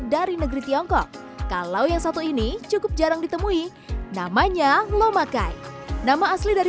dari negeri tiongkok kalau yang satu ini cukup jarang ditemui namanya lomakai nama asli dari